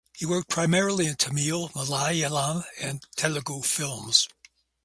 He worked primarily in Tamil, Malayalam and Telugu films.